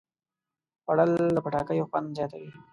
خوړل د پټاکیو خوند زیاتوي